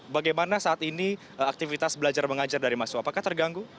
bagaimana saat ini aktivitas belajar mengajar dari mahasiswa apakah terganggu